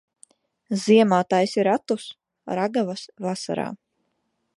Ziemā taisi ratus, ragavas vasarā.